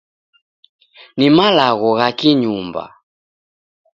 Ni malagho gha ki-nyumba.